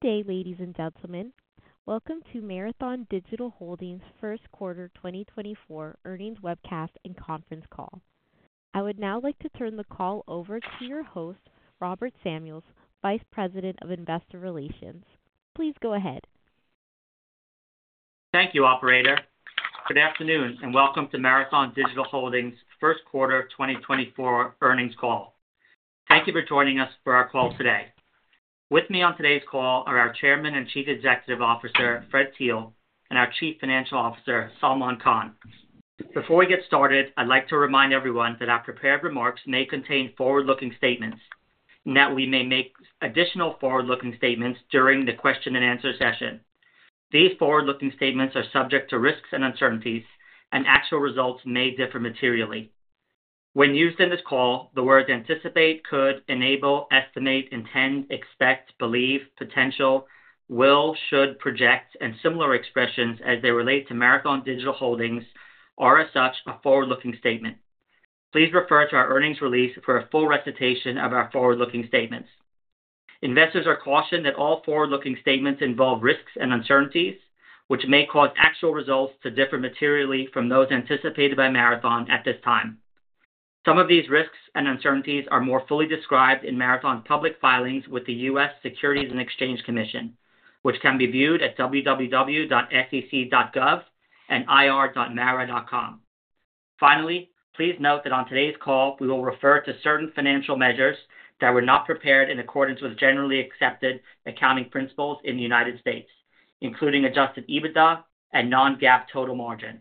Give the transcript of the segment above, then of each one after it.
Good day, ladies and gentlemen. Welcome to Marathon Digital Holdings' First Quarter 2024 Earnings webcast and conference call. I would now like to turn the call over to your host, Robert Samuels, Vice President of Investor Relations. Please go ahead. Thank you, operator. Good afternoon and welcome to Marathon Digital Holdings' First Quarter 2024 Earnings Call. Thank you for joining us for our call today. With me on today's call are our Chairman and Chief Executive Officer, Fred Thiel, and our Chief Financial Officer, Salman Khan. Before we get started, I'd like to remind everyone that our prepared remarks may contain forward-looking statements, and that we may make additional forward-looking statements during the question-and-answer session. These forward-looking statements are subject to risks and uncertainties, and actual results may differ materially. When used in this call, the words "anticipate," "could," "enable," "estimate," "intend," "expect," "believe," "potential," "will," "should," "project," and similar expressions as they relate to Marathon Digital Holdings are as such a forward-looking statement. Please refer to our earnings release for a full recitation of our forward-looking statements. Investors are cautioned that all forward-looking statements involve risks and uncertainties, which may cause actual results to differ materially from those anticipated by Marathon at this time. Some of these risks and uncertainties are more fully described in Marathon's public filings with the U.S. Securities and Exchange Commission, which can be viewed at www.sec.gov and ir.mara.com. Finally, please note that on today's call we will refer to certain financial measures that were not prepared in accordance with generally accepted accounting principles in the United States, including Adjusted EBITDA and Non-GAAP total margin.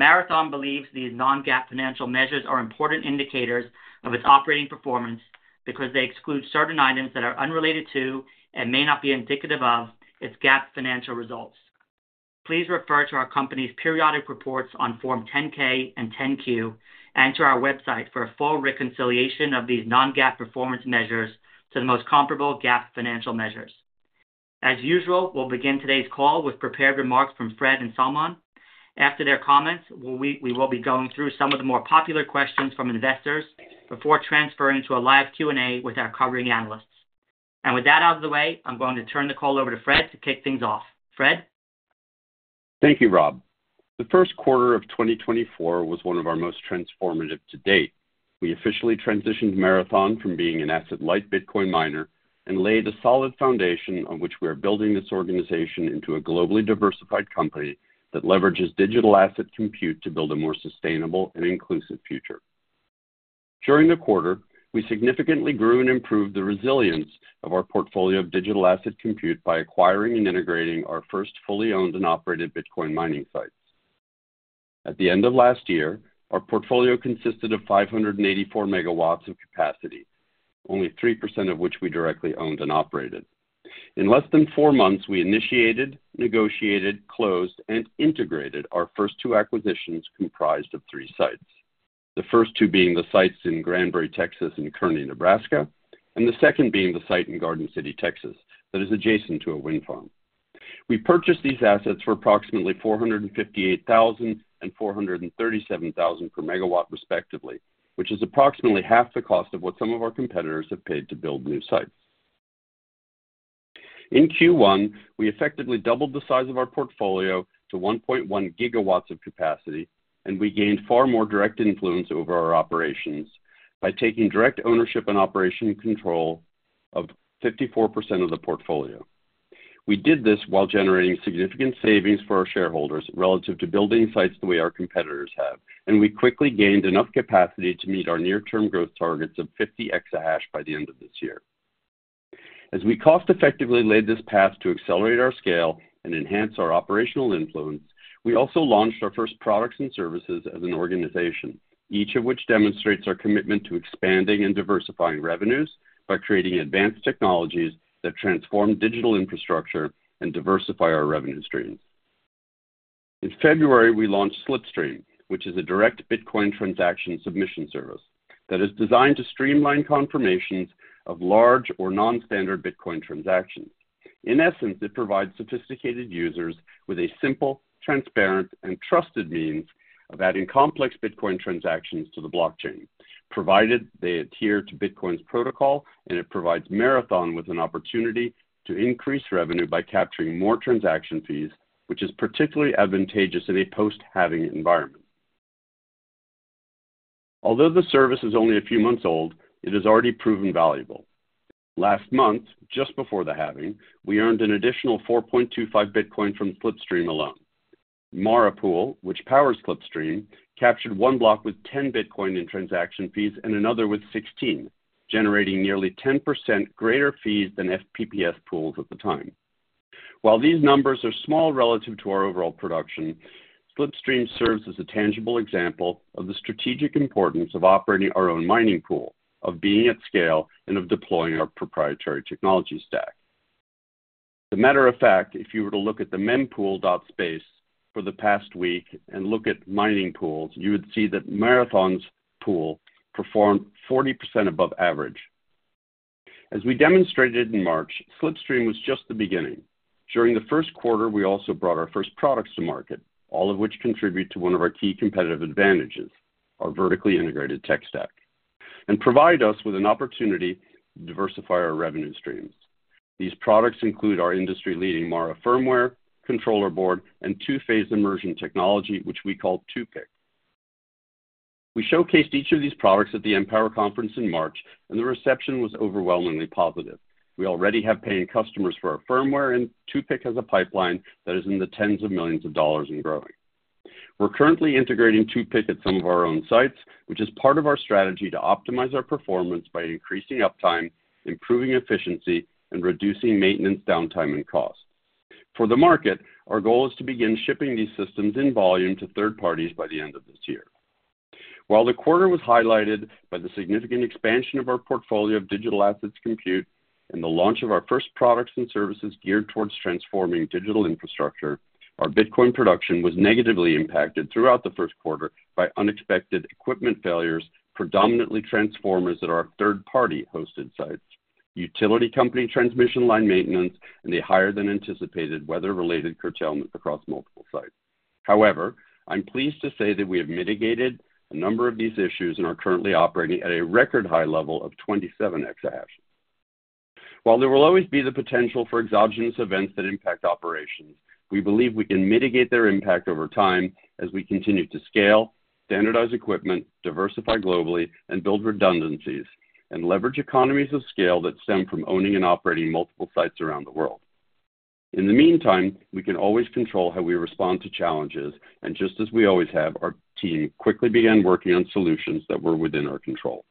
Marathon believes these non-GAAP financial measures are important indicators of its operating performance because they exclude certain items that are unrelated to and may not be indicative of its GAAP financial results. Please refer to our company's periodic reports on Form 10-K and 10-Q, and to our website for a full reconciliation of these non-GAAP performance measures to the most comparable GAAP financial measures. As usual, we'll begin today's call with prepared remarks from Fred and Salman. After their comments, we will be going through some of the more popular questions from investors before transferring to a live Q&A with our covering analysts. With that out of the way, I'm going to turn the call over to Fred to kick things off. Fred? Thank you, Rob. The first quarter of 2024 was one of our most transformative to date. We officially transitioned Marathon from being an asset-light Bitcoin miner and laid a solid foundation on which we are building this organization into a globally diversified company that leverages digital asset compute to build a more sustainable and inclusive future. During the quarter, we significantly grew and improved the resilience of our portfolio of digital asset compute by acquiring and integrating our first fully owned and operated Bitcoin mining sites. At the end of last year, our portfolio consisted of 584 MW of capacity, only 3% of which we directly owned and operated. In less than four months, we initiated, negotiated, closed, and integrated our first two acquisitions comprised of three sites, the first two being the sites in Granbury, Texas, and Kearney, Nebraska, and the second being the site in Garden City, Texas, that is adjacent to a wind farm. We purchased these assets for approximately $458,000 and $437,000 per MW, respectively, which is approximately half the cost of what some of our competitors have paid to build new sites. In Q1, we effectively doubled the size of our portfolio to 1.1 GW of capacity, and we gained far more direct influence over our operations by taking direct ownership and operation control of 54% of the portfolio. We did this while generating significant savings for our shareholders relative to building sites the way our competitors have, and we quickly gained enough capacity to meet our near-term growth targets of 50 exahash by the end of this year. As we cost-effectively laid this path to accelerate our scale and enhance our operational influence, we also launched our first products and services as an organization, each of which demonstrates our commitment to expanding and diversifying revenues by creating advanced technologies that transform digital infrastructure and diversify our revenue streams. In February, we launched Slipstream, which is a direct Bitcoin transaction submission service that is designed to streamline confirmations of large or non-standard Bitcoin transactions. In essence, it provides sophisticated users with a simple, transparent, and trusted means of adding complex Bitcoin transactions to the blockchain, provided they adhere to Bitcoin's protocol, and it provides Marathon with an opportunity to increase revenue by capturing more transaction fees, which is particularly advantageous in a post-halving environment. Although the service is only a few months old, it is already proven valuable. Last month, just before the halving, we earned an additional 4.25 Bitcoin from Slipstream alone. MARA Pool, which powers Slipstream, captured one block with 10 Bitcoin in transaction fees and another with 16, generating nearly 10% greater fees than FPPS pools at the time. While these numbers are small relative to our overall production, Slipstream serves as a tangible example of the strategic importance of operating our own mining pool, of being at scale, and of deploying our proprietary technology stack. As a matter of fact, if you were to look at the mempool.space for the past week and look at mining pools, you would see that Marathon's pool performed 40% above average. As we demonstrated in March, Slipstream was just the beginning. During the first quarter, we also brought our first products to market, all of which contribute to one of our key competitive advantages, our vertically integrated tech stack, and provide us with an opportunity to diversify our revenue streams. These products include our industry-leading MARA firmware, controller board, and two-phase immersion technology, which we call 2PIC. We showcased each of these products at the Empower conference in March, and the reception was overwhelmingly positive. We already have paying customers for our firmware, and 2PIC has a pipeline that is in the $10s of millions and growing. We're currently integrating 2PIC at some of our own sites, which is part of our strategy to optimize our performance by increasing uptime, improving efficiency, and reducing maintenance downtime and cost. For the market, our goal is to begin shipping these systems in volume to third parties by the end of this year. While the quarter was highlighted by the significant expansion of our portfolio of digital assets compute and the launch of our first products and services geared towards transforming digital infrastructure, our Bitcoin production was negatively impacted throughout the first quarter by unexpected equipment failures, predominantly transformers at our third-party hosted sites, utility company transmission line maintenance, and the higher-than-anticipated weather-related curtailment across multiple sites. However, I'm pleased to say that we have mitigated a number of these issues and are currently operating at a record high level of 27 exahash. While there will always be the potential for exogenous events that impact operations, we believe we can mitigate their impact over time as we continue to scale, standardize equipment, diversify globally, and build redundancies, and leverage economies of scale that stem from owning and operating multiple sites around the world. In the meantime, we can always control how we respond to challenges, and just as we always have, our team quickly began working on solutions that were within our control.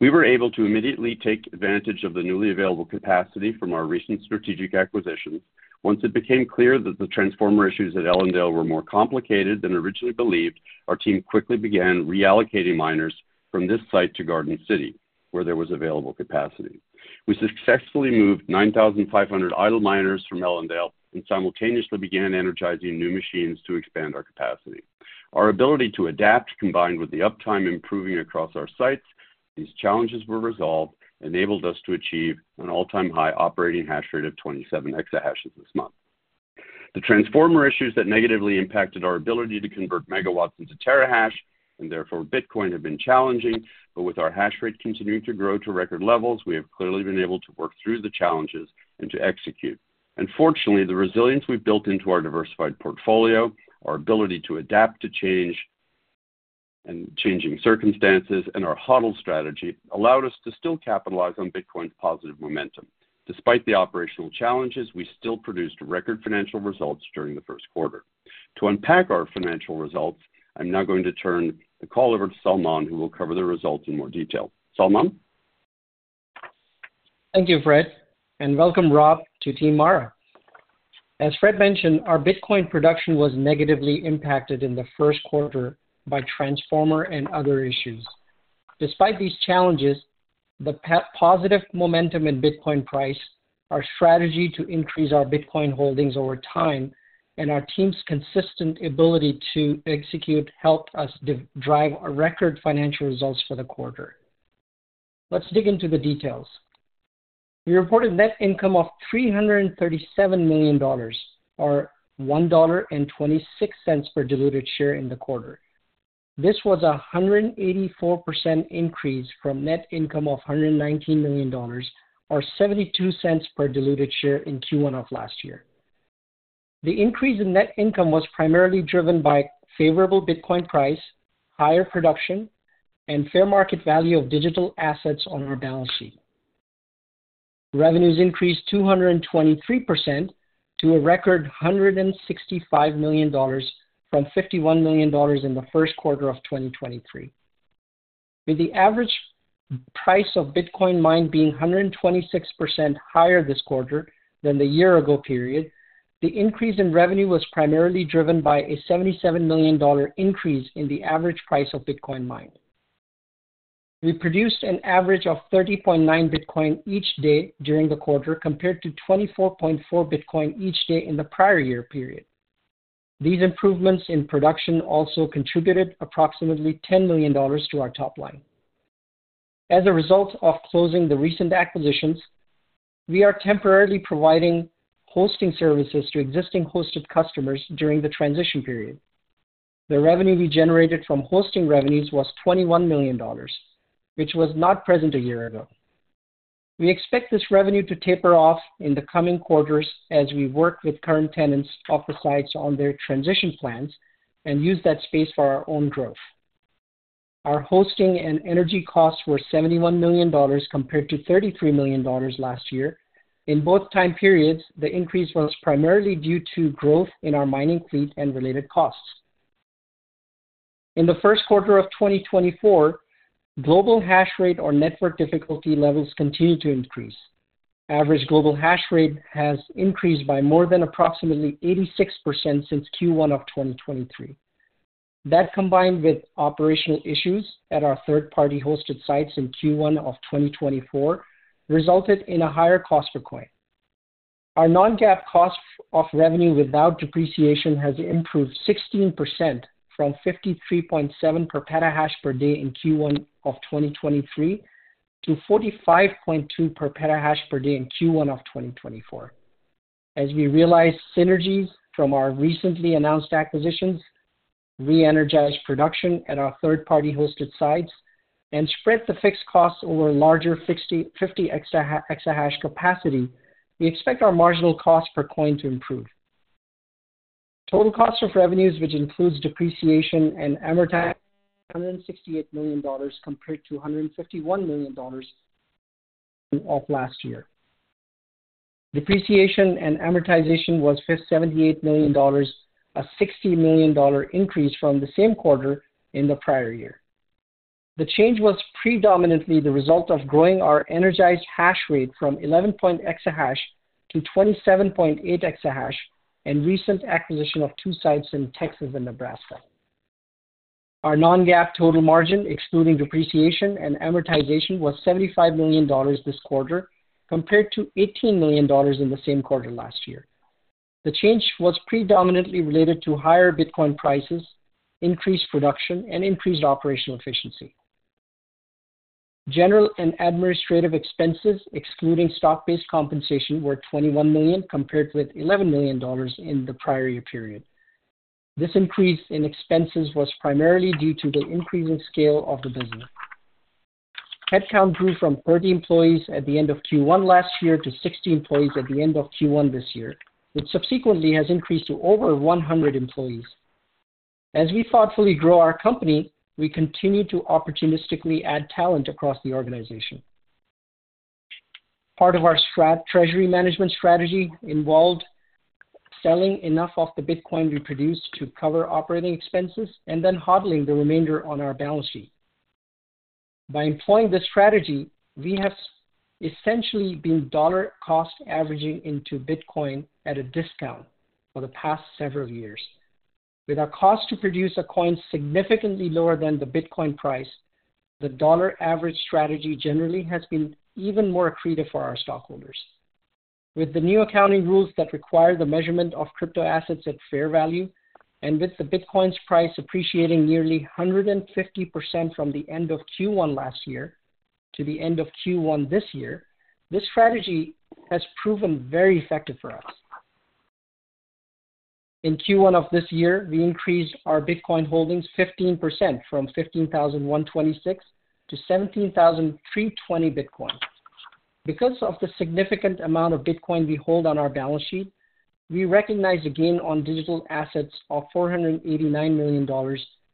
We were able to immediately take advantage of the newly available capacity from our recent strategic acquisitions. Once it became clear that the transformer issues at Ellendale were more complicated than originally believed, our team quickly began reallocating miners from this site to Garden City, where there was available capacity. We successfully moved 9,500 idle miners from Ellendale and simultaneously began energizing new machines to expand our capacity. Our ability to adapt, combined with the uptime improving across our sites, these challenges were resolved and enabled us to achieve an all-time high operating hash rate of 27 exahashes this month. The transformer issues that negatively impacted our ability to convert megawatts into terahash and therefore Bitcoin have been challenging, but with our hash rate continuing to grow to record levels, we have clearly been able to work through the challenges and to execute. Fortunately, the resilience we've built into our diversified portfolio, our ability to adapt to changing circumstances, and our HODL strategy allowed us to still capitalize on Bitcoin's positive momentum. Despite the operational challenges, we still produced record financial results during the first quarter. To unpack our financial results, I'm now going to turn the call over to Salman, who will cover the results in more detail. Salman? Thank you, Fred. Welcome, Rob, to Team MARA. As Fred mentioned, our Bitcoin production was negatively impacted in the first quarter by transformer and other issues. Despite these challenges, the positive momentum in Bitcoin price, our strategy to increase our Bitcoin holdings over time, and our team's consistent ability to execute helped us drive record financial results for the quarter. Let's dig into the details. We reported net income of $337 million, or $1.26 per diluted share in the quarter. This was a 184% increase from net income of $119 million, or $0.72 per diluted share in Q1 of last year. The increase in net income was primarily driven by favorable Bitcoin price, higher production, and fair market value of digital assets on our balance sheet. Revenues increased 223% to a record $165 million from $51 million in the first quarter of 2023. With the average price of Bitcoin mined being 126% higher this quarter than the year-ago period, the increase in revenue was primarily driven by a $77 million increase in the average price of Bitcoin mined. We produced an average of 30.9 Bitcoin each day during the quarter compared to 24.4 Bitcoin each day in the prior year period. These improvements in production also contributed approximately $10 million to our top line. As a result of closing the recent acquisitions, we are temporarily providing hosting services to existing hosted customers during the transition period. The revenue we generated from hosting revenues was $21 million, which was not present a year ago. We expect this revenue to taper off in the coming quarters as we work with current tenants of the sites on their transition plans and use that space for our own growth. Our hosting and energy costs were $71 million compared to $33 million last year. In both time periods, the increase was primarily due to growth in our mining fleet and related costs. In the first quarter of 2024, global hash rate, or network difficulty levels, continued to increase. Average global hash rate has increased by more than approximately 86% since Q1 of 2023. That, combined with operational issues at our third-party hosted sites in Q1 of 2024, resulted in a higher cost per coin. Our non-GAAP cost of revenue without depreciation has improved 16% from 53.7 per petahash per day in Q1 of 2023 to 45.2 per petahash per day in Q1 of 2024. As we realize synergies from our recently announced acquisitions, re-energized production at our third-party hosted sites, and spread the fixed costs over larger 50 exahash capacity, we expect our marginal cost per coin to improve. Total costs of revenues, which includes depreciation and amortization, are $168 million compared to $151 million of last year. Depreciation and amortization were $78 million, a $60 million increase from the same quarter in the prior year. The change was predominantly the result of growing our energized hash rate from 11.0 exahash to 27.8 exahash and recent acquisition of two sites in Texas and Nebraska. Our Non-GAAP total margin, excluding depreciation and amortization, was $75 million this quarter compared to $18 million in the same quarter last year. The change was predominantly related to higher Bitcoin prices, increased production, and increased operational efficiency. General and administrative expenses, excluding stock-based compensation, were $21 million compared with $11 million in the prior year period. This increase in expenses was primarily due to the increasing scale of the business. Headcount grew from 30 employees at the end of Q1 last year to 60 employees at the end of Q1 this year, which subsequently has increased to over 100 employees. As we thoughtfully grow our company, we continue to opportunistically add talent across the organization. Part of our treasury management strategy involved selling enough of the Bitcoin we produced to cover operating expenses and then HODLing the remainder on our balance sheet. By employing this strategy, we have essentially been dollar cost averaging into Bitcoin at a discount for the past several years. With our cost to produce a coin significantly lower than the Bitcoin price, the dollar average strategy generally has been even more accretive for our stockholders. With the new accounting rules that require the measurement of crypto assets at fair value and with the Bitcoin's price appreciating nearly 150% from the end of Q1 last year to the end of Q1 this year, this strategy has proven very effective for us. In Q1 of this year, we increased our Bitcoin holdings 15% from 15,126 to 17,320 Bitcoin. Because of the significant amount of Bitcoin we hold on our balance sheet, we recognize a gain on digital assets of $489 million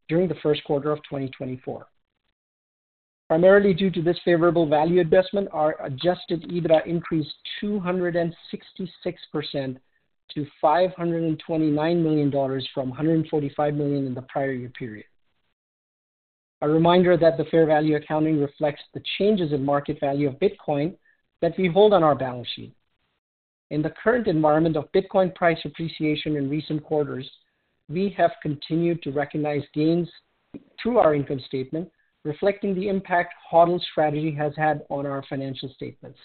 during the first quarter of 2024. Primarily due to this favorable value adjustment, our Adjusted EBITDA increased 266% to $529 million from $145 million in the prior year period. A reminder that the fair value accounting reflects the changes in market value of Bitcoin that we hold on our balance sheet. In the current environment of Bitcoin price appreciation in recent quarters, we have continued to recognize gains through our income statement, reflecting the impact HODL strategy has had on our financial statements.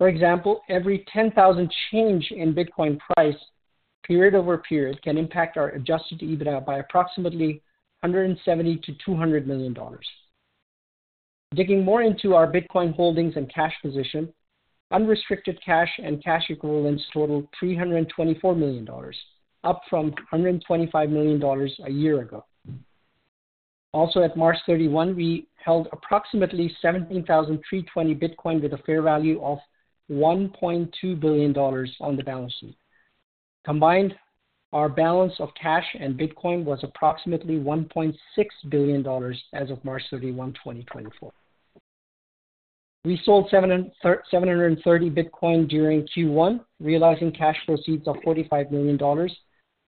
For example, every $10,000 change in Bitcoin price, period-over-period, can impact our adjusted EBITDA by approximately $170 million-$200 million. Digging more into our Bitcoin holdings and cash position, unrestricted cash and cash equivalents totaled $324 million, up from $125 million a year ago. Also, at March 31, we held approximately 17,320 Bitcoin with a fair value of $1.2 billion on the balance sheet. Combined, our balance of cash and Bitcoin was approximately $1.6 billion as of March 31, 2024. We sold 730 Bitcoin during Q1, realizing cash proceeds of $45 million.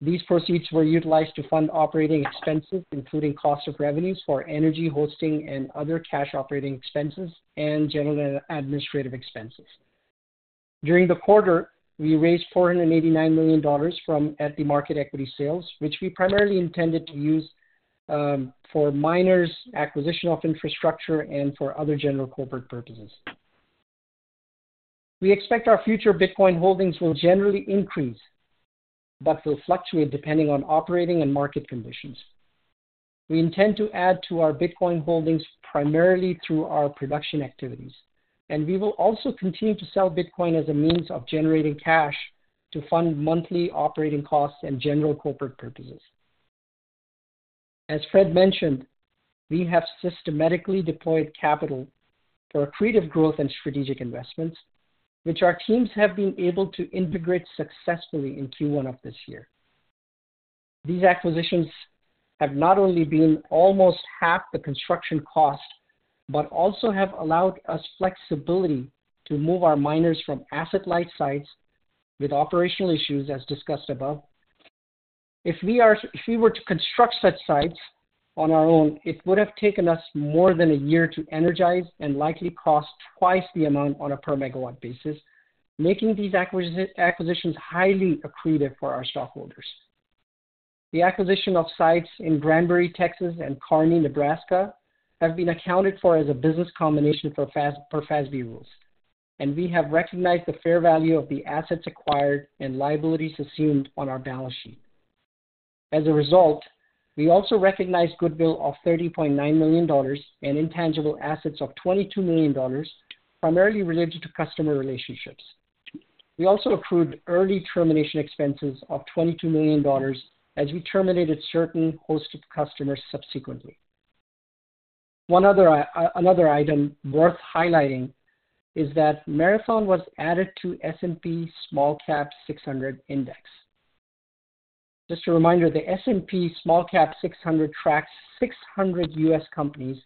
These proceeds were utilized to fund operating expenses, including costs of revenues for energy, hosting, and other cash operating expenses and general administrative expenses. During the quarter, we raised $489 million from at-the-market equity sales, which we primarily intended to use for miners' acquisition of infrastructure and for other general corporate purposes. We expect our future Bitcoin holdings will generally increase but will fluctuate depending on operating and market conditions. We intend to add to our Bitcoin holdings primarily through our production activities, and we will also continue to sell Bitcoin as a means of generating cash to fund monthly operating costs and general corporate purposes. As Fred mentioned, we have systematically deployed capital for accretive growth and strategic investments, which our teams have been able to integrate successfully in Q1 of this year. These acquisitions have not only been almost half the construction cost but also have allowed us flexibility to move our miners from asset-light sites with operational issues, as discussed above. If we were to construct such sites on our own, it would have taken us more than a year to energize and likely cost twice the amount on a per megawatt basis, making these acquisitions highly accretive for our stockholders. The acquisition of sites in Granbury, Texas, and Kearney, Nebraska, have been accounted for as a business combination per FASB rules, and we have recognized the fair value of the assets acquired and liabilities assumed on our balance sheet. As a result, we also recognized goodwill of $30.9 million and intangible assets of $22 million, primarily related to customer relationships. We also accrued early termination expenses of $22 million as we terminated certain hosted customers subsequently. Another item worth highlighting is that Marathon was added to S&P SmallCap 600 Index. Just a reminder, the S&P SmallCap 600 tracks 600 U.S. companies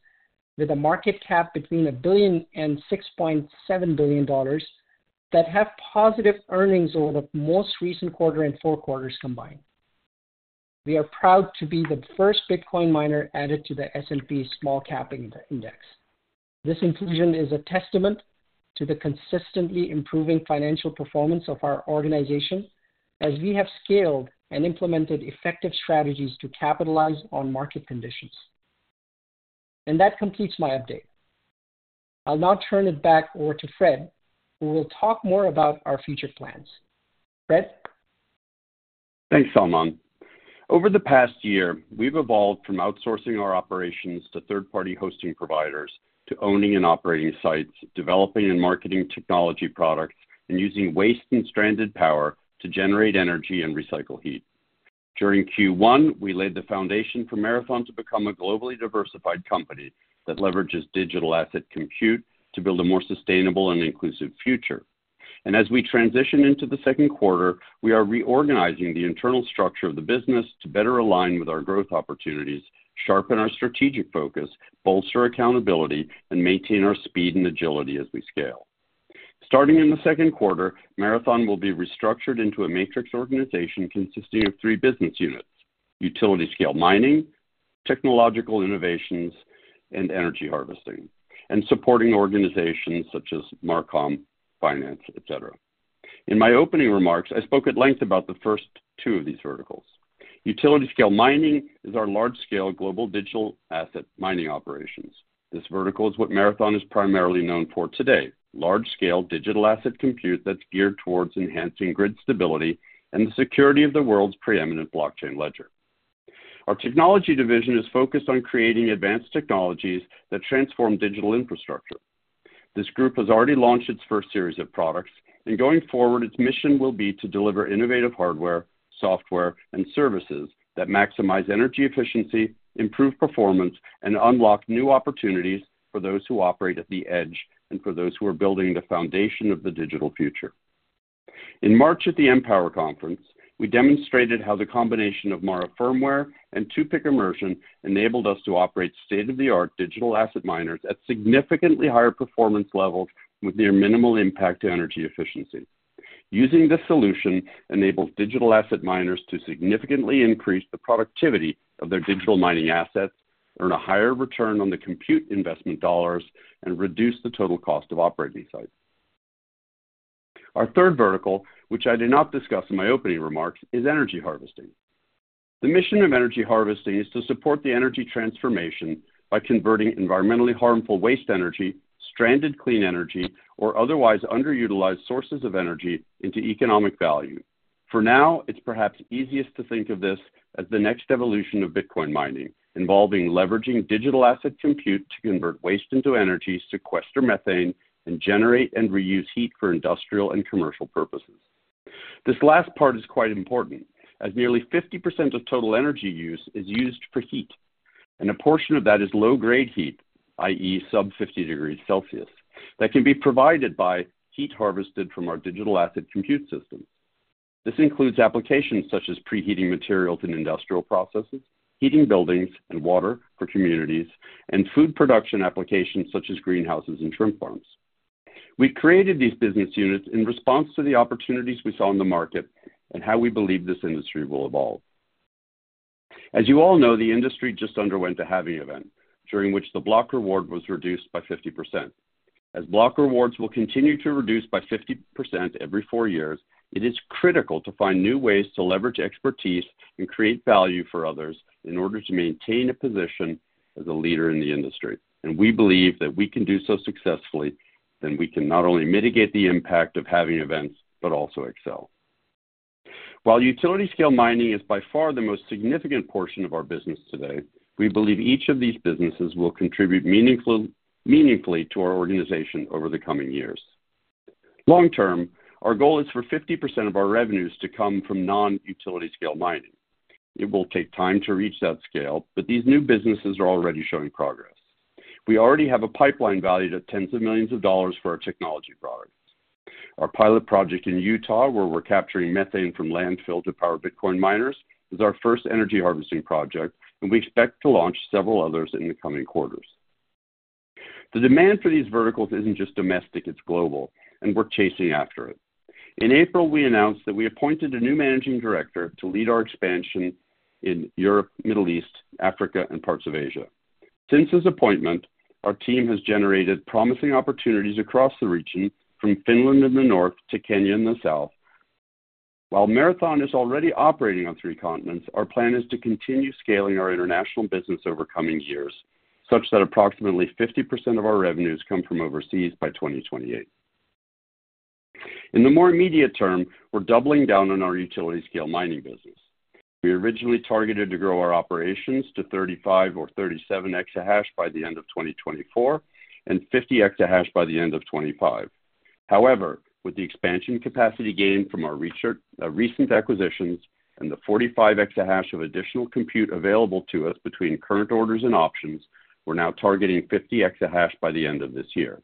with a market cap between $1 billion and $6.7 billion that have positive earnings over the most recent quarter and four quarters combined. We are proud to be the first Bitcoin miner added to the S&P SmallCap Index. This inclusion is a testament to the consistently improving financial performance of our organization as we have scaled and implemented effective strategies to capitalize on market conditions. That completes my update. I'll now turn it back over to Fred, who will talk more about our future plans. Fred? Thanks, Salman. Over the past year, we've evolved from outsourcing our operations to third-party hosting providers to owning and operating sites, developing and marketing technology products, and using waste and stranded power to generate energy and recycle heat. During Q1, we laid the foundation for Marathon to become a globally diversified company that leverages digital asset compute to build a more sustainable and inclusive future. As we transition into the second quarter, we are reorganizing the internal structure of the business to better align with our growth opportunities, sharpen our strategic focus, bolster accountability, and maintain our speed and agility as we scale. Starting in the second quarter, Marathon will be restructured into a matrix organization consisting of three business units: utility-scale mining, technological innovations, and energy harvesting, and supporting organizations such as Marcom, Finance, etc. In my opening remarks, I spoke at length about the first two of these verticals. Utility-scale mining is our large-scale global digital asset mining operations. This vertical is what Marathon is primarily known for today: large-scale digital asset compute that's geared towards enhancing grid stability and the security of the world's preeminent blockchain ledger. Our technology division is focused on creating advanced technologies that transform digital infrastructure. This group has already launched its first series of products, and going forward, its mission will be to deliver innovative hardware, software, and services that maximize energy efficiency, improve performance, and unlock new opportunities for those who operate at the edge and for those who are building the foundation of the digital future. In March at the Empower Conference, we demonstrated how the combination of MARA Firmware and 2PIC Immersion enabled us to operate state-of-the-art digital asset miners at significantly higher performance levels with near minimal impact to energy efficiency. Using this solution enables digital asset miners to significantly increase the productivity of their digital mining assets, earn a higher return on the compute investment dollars, and reduce the total cost of operating sites. Our third vertical, which I did not discuss in my opening remarks, is energy harvesting. The mission of energy harvesting is to support the energy transformation by converting environmentally harmful waste energy, stranded clean energy, or otherwise underutilized sources of energy into economic value. For now, it's perhaps easiest to think of this as the next evolution of Bitcoin mining, involving leveraging digital asset compute to convert waste into energy to sequester methane and generate and reuse heat for industrial and commercial purposes. This last part is quite important, as nearly 50% of total energy use is used for heat, and a portion of that is low-grade heat, i.e., sub-50 degrees Celsius, that can be provided by heat harvested from our digital asset compute systems. This includes applications such as preheating materials in industrial processes, heating buildings and water for communities, and food production applications such as greenhouses and shrimp farms. We've created these business units in response to the opportunities we saw in the market and how we believe this industry will evolve. As you all know, the industry just underwent a halving event during which the block reward was reduced by 50%. As block rewards will continue to reduce by 50% every four years, it is critical to find new ways to leverage expertise and create value for others in order to maintain a position as a leader in the industry. We believe that we can do so successfully that we can not only mitigate the impact of halving events but also excel. While utility-scale mining is by far the most significant portion of our business today, we believe each of these businesses will contribute meaningfully to our organization over the coming years. Long term, our goal is for 50% of our revenues to come from non-utility-scale mining. It will take time to reach that scale, but these new businesses are already showing progress. We already have a pipeline valued at tens of millions for our technology products. Our pilot project in Utah, where we're capturing methane from landfill to power Bitcoin miners, is our first energy harvesting project, and we expect to launch several others in the coming quarters. The demand for these verticals isn't just domestic; it's global, and we're chasing after it. In April, we announced that we appointed a new managing director to lead our expansion in Europe, Middle East, Africa, and parts of Asia. Since this appointment, our team has generated promising opportunities across the region, from Finland in the north to Kenya in the south. While Marathon is already operating on three continents, our plan is to continue scaling our international business over coming years, such that approximately 50% of our revenues come from overseas by 2028. In the more immediate term, we're doubling down on our utility-scale mining business. We originally targeted to grow our operations to 35 or 37 exahash by the end of 2024 and 50 exahash by the end of 2025. However, with the expansion capacity gained from our recent acquisitions and the 45 exahash of additional compute available to us between current orders and options, we're now targeting 50 exahash by the end of this year.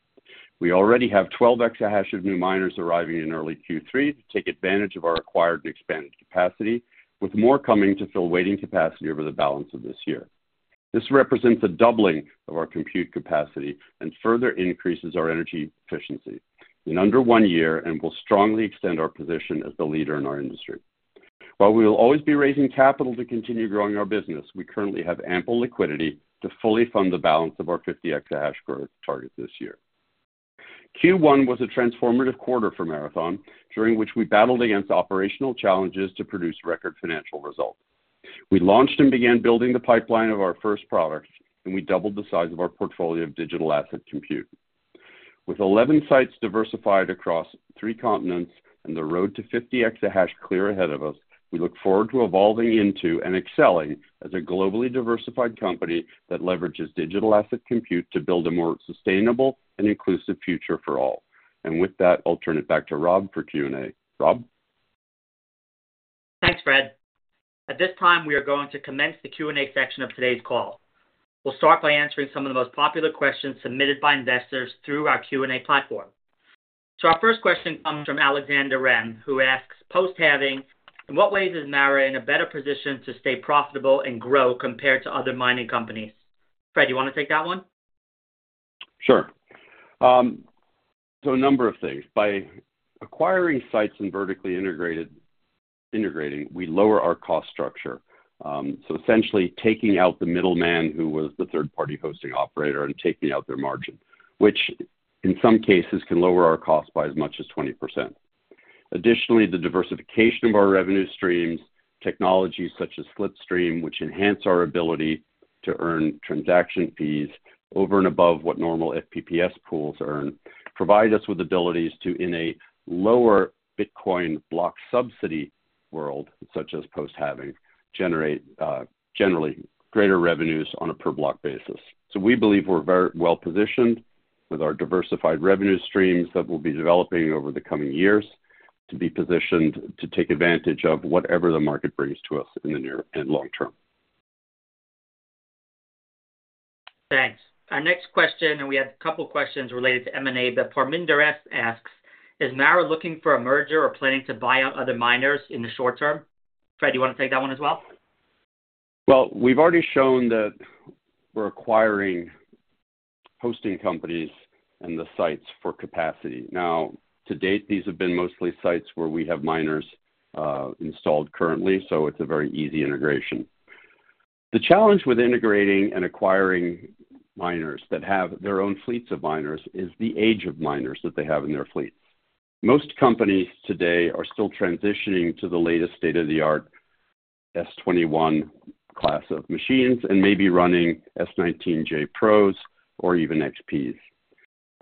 We already have 12 exahash of new miners arriving in early Q3 to take advantage of our acquired and expanded capacity, with more coming to fill waiting capacity over the balance of this year. This represents a doubling of our compute capacity and further increases our energy efficiency in under one year and will strongly extend our position as the leader in our industry. While we will always be raising capital to continue growing our business, we currently have ample liquidity to fully fund the balance of our 50 exahash growth target this year. Q1 was a transformative quarter for Marathon, during which we battled against operational challenges to produce record financial results. We launched and began building the pipeline of our first products, and we doubled the size of our portfolio of digital asset compute. With 11 sites diversified across three continents and the road to 50 exahash clear ahead of us, we look forward to evolving into and excelling as a globally diversified company that leverages digital asset compute to build a more sustainable and inclusive future for all. And with that, I'll turn it back to Rob for Q&A. Rob? Thanks, Fred. At this time, we are going to commence the Q&A section of today's call. We'll start by answering some of the most popular questions submitted by investors through our Q&A platform. Our first question comes from Alexander Rem, who asks, "Post halving, in what ways is Mara in a better position to stay profitable and grow compared to other mining companies?" Fred, do you want to take that one? Sure. So a number of things. By acquiring sites and vertically integrating, we lower our cost structure, so essentially taking out the middleman who was the third-party hosting operator and taking out their margin, which in some cases can lower our cost by as much as 20%. Additionally, the diversification of our revenue streams, technologies such as Slipstream, which enhance our ability to earn transaction fees over and above what normal FPPS pools earn, provide us with abilities to, in a lower Bitcoin block subsidy world such as post-halving, generate generally greater revenues on a per-block basis. So we believe we're very well positioned with our diversified revenue streams that we'll be developing over the coming years to be positioned to take advantage of whatever the market brings to us in the near and long term. Thanks. Our next question, and we had a couple of questions related to M&A, but Parminder asks, "Is MARA looking for a merger or planning to buy out other miners in the short term?" Fred, do you want to take that one as well? Well, we've already shown that we're acquiring hosting companies and the sites for capacity. Now, to date, these have been mostly sites where we have miners installed currently, so it's a very easy integration. The challenge with integrating and acquiring miners that have their own fleets of miners is the age of miners that they have in their fleets. Most companies today are still transitioning to the latest state-of-the-art S21 class of machines and may be running S19j Pros or even XPs.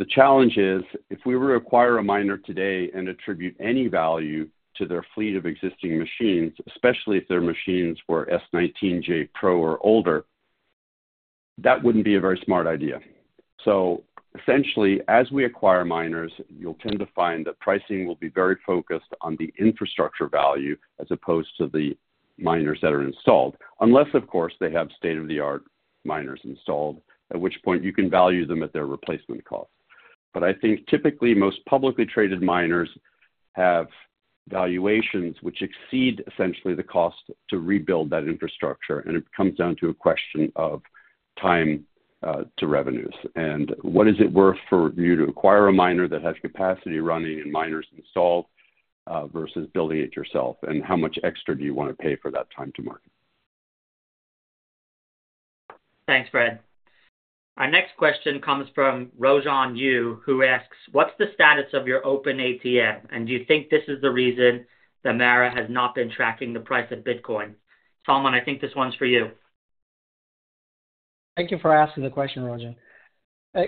The challenge is, if we were to acquire a miner today and attribute any value to their fleet of existing machines, especially if their machines were S19j Pro or older, that wouldn't be a very smart idea. So essentially, as we acquire miners, you'll tend to find that pricing will be very focused on the infrastructure value as opposed to the miners that are installed, unless, of course, they have state-of-the-art miners installed, at which point you can value them at their replacement cost. But I think typically, most publicly traded miners have valuations which exceed essentially the cost to rebuild that infrastructure, and it comes down to a question of time to revenues. And what is it worth for you to acquire a miner that has capacity running and miners installed versus building it yourself, and how much extra do you want to pay for that time to market? Thanks, Fred. Our next question comes from Rojan Yu, who asks, "What's the status of your open ATM, and do you think this is the reason that MARA has not been tracking the price of Bitcoin?" Salman, I think this one's for you. Thank you for asking the question, Rojan.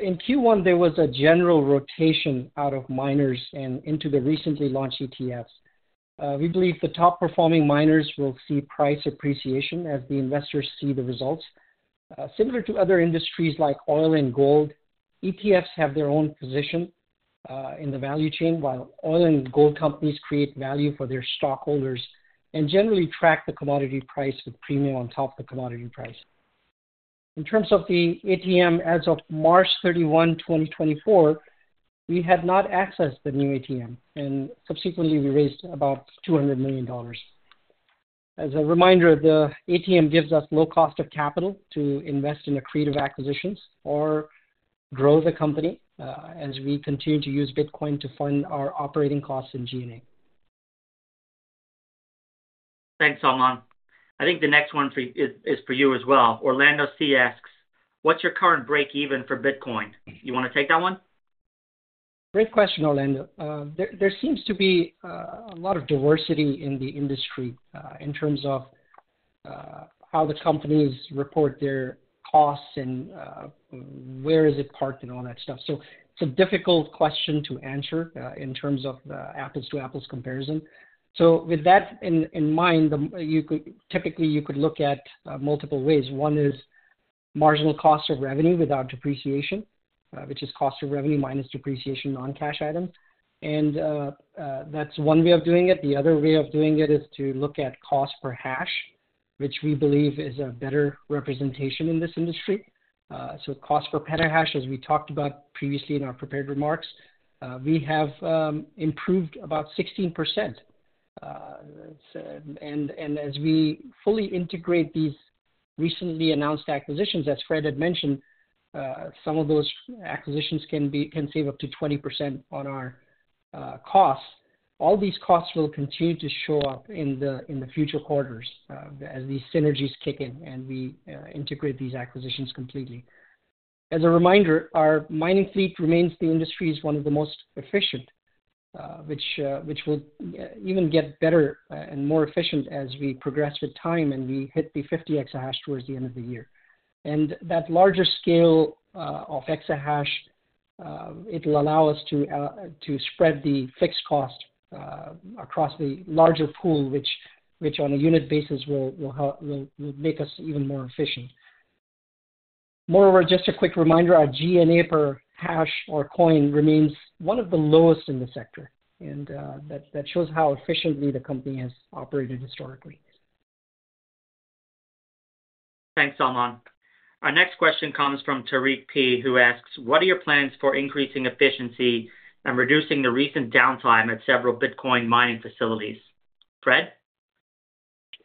In Q1, there was a general rotation out of miners and into the recently launched ETFs. We believe the top-performing miners will see price appreciation as the investors see the results. Similar to other industries like oil and gold, ETFs have their own position in the value chain, while oil and gold companies create value for their stockholders and generally track the commodity price with premium on top of the commodity price. In terms of the ATM, as of March 31, 2024, we had not accessed the new ATM, and subsequently, we raised about $200 million. As a reminder, the ATM gives us low cost of capital to invest in accretive acquisitions or grow the company as we continue to use Bitcoin to fund our operating costs and G&A. Thanks, Salman. I think the next one is for you as well. Orlando C asks, "What's your current break-even for Bitcoin?" You want to take that one? Great question, Orlando. There seems to be a lot of diversity in the industry in terms of how the companies report their costs and where is it parked and all that stuff. So it's a difficult question to answer in terms of the apples-to-apples comparison. So with that in mind, typically, you could look at multiple ways. One is marginal cost of revenue without depreciation, which is cost of revenue minus depreciation non-cash items. And that's one way of doing it. The other way of doing it is to look at cost per hash, which we believe is a better representation in this industry. So cost per petahash, as we talked about previously in our prepared remarks, we have improved about 16%. And as we fully integrate these recently announced acquisitions, as Fred had mentioned, some of those acquisitions can save up to 20% on our costs. All these costs will continue to show up in the future quarters as these synergies kick in and we integrate these acquisitions completely. As a reminder, our mining fleet remains the industry's one of the most efficient, which will even get better and more efficient as we progress with time and we hit the 50 exahash towards the end of the year. That larger scale of exahash, it'll allow us to spread the fixed cost across the larger pool, which on a unit basis will make us even more efficient. Moreover, just a quick reminder, our G&A per hash or coin remains one of the lowest in the sector, and that shows how efficiently the company has operated historically. Thanks, Salman. Our next question comes from Tariq P, who asks, "What are your plans for increasing efficiency and reducing the recent downtime at several Bitcoin mining facilities?" Fred?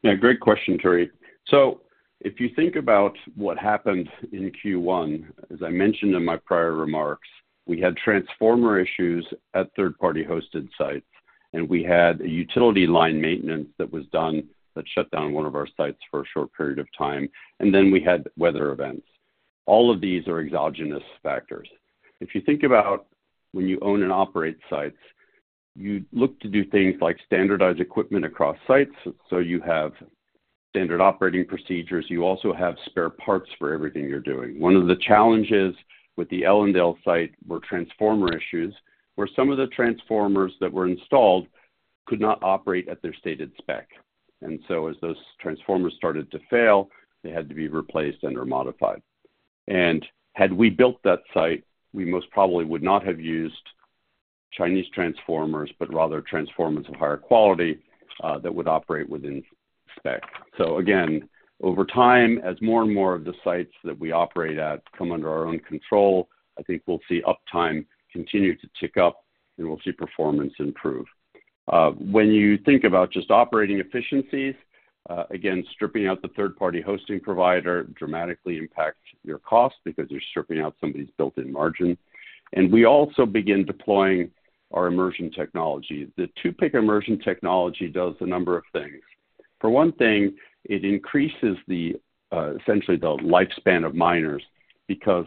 Yeah, great question, Tariq. So if you think about what happened in Q1, as I mentioned in my prior remarks, we had transformer issues at third-party hosted sites, and we had utility line maintenance that was done that shut down one of our sites for a short period of time, and then we had weather events. All of these are exogenous factors. If you think about when you own and operate sites, you look to do things like standardize equipment across sites. So you have standard operating procedures. You also have spare parts for everything you're doing. One of the challenges with the Ellendale site were transformer issues, where some of the transformers that were installed could not operate at their stated spec. And so as those transformers started to fail, they had to be replaced and/or modified. Had we built that site, we most probably would not have used Chinese transformers but rather transformers of higher quality that would operate within spec. So again, over time, as more and more of the sites that we operate at come under our own control, I think we'll see uptime continue to tick up, and we'll see performance improve. When you think about just operating efficiencies, again, stripping out the third-party hosting provider dramatically impacts your cost because you're stripping out somebody's built-in margin. We also begin deploying our immersion technology. The 2PIC immersion technology does a number of things. For one thing, it increases essentially the lifespan of miners because